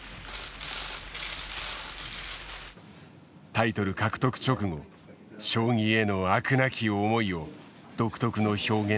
タイトル獲得直後将棋への飽くなき思いを独特の表現で語った。